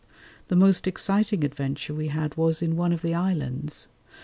The most exciting adventure we had was in one of the islands.